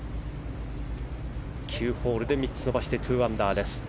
９ホールで３つ伸ばして２アンダーです。